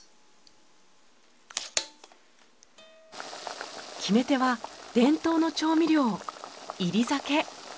決め手は伝統の調味料煎り酒。